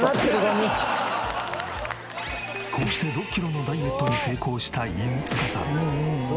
こうして６キロのダイエットに成功した犬束さん。